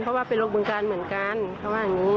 เพราะว่าไปลงบึงการเหมือนกันเขาว่าอย่างนี้